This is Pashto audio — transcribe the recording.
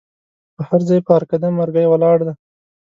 په هرځای په هر قدم مرګی ولاړ دی